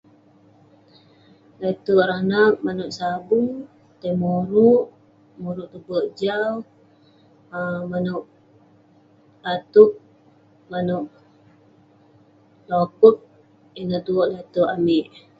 Lete'erk ireh anak, manouk sabung, tei moruk, moruk tong bek jau, manouk latup, manouk lopek, ineh tuek lete'erk amik.